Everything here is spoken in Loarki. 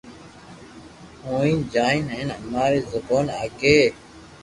ھوئي جائين ھين اماري زبون آگي